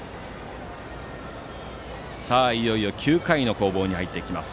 いよいよ９回の攻防に入ります。